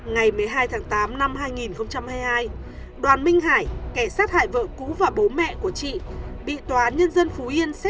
ngày một mươi hai tháng tám năm hai nghìn hai mươi hai đoàn minh hải kẻ sát hại vợ cũ và bố mẹ của chị bị tòa án nhân dân phú yên xét xét và đánh giá